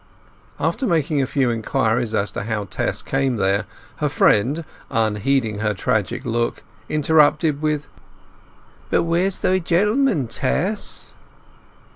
After making a few inquiries as to how Tess came there, her friend, unheeding her tragic look, interrupted with— "But where's thy gentleman, Tess?"